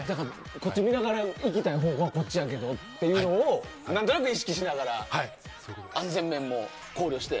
こっち見ながら行きたい方向はこっちやけどっていうのをなんとなく意識しながら安全面も考慮して。